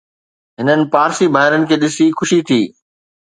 هنن پارسي ڀائرن کي ڏسي خوشي ٿي